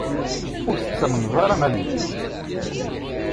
Ur tettamneḍ ara allen-ik.